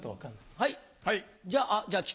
はい。